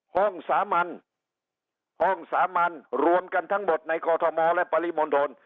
สามัญห้องสามัญรวมกันทั้งหมดในกอทมและปริมณฑล